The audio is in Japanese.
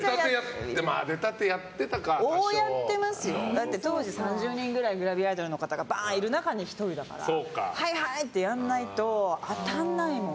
だって当時３０人ぐらいグラビアアイドルの方がバーンいる中に１人だから「はいはい！」ってやんないと当たんないもん。